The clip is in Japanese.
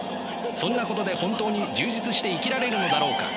そんなことで本当に充実して生きられるのだろうか。